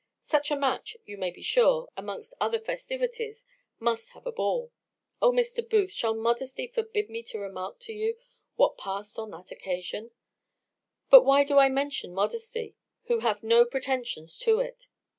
Such a match, you may be sure, amongst other festivities, must have a ball. Oh! Mr. Booth, shall modesty forbid me to remark to you what past on that occasion? But why do I mention modesty, who have no pretensions to it?